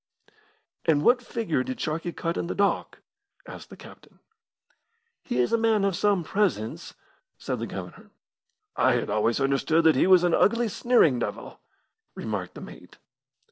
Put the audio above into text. "And what figure did Sharkey cut in the dock?" asked the captain. "He is a man of some presence," said the Governor. "I had always understood that he was an ugly, sneering devil," remarked the mate.